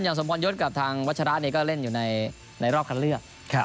อย่างสมพวรณยศกับทางวัชราชน์เนี่ยก็เล่นอยู่ในในรอบคันเลือกครับ